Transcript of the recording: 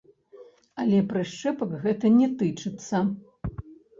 Але прышчэпак гэта не тычыцца.